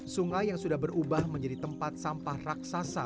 sungai yang sudah berubah menjadi tempat sampah raksasa